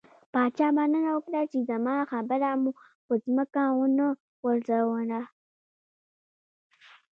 پاچا مننه وکړه، چې زما خبره مو په ځمکه ونه غورځوله.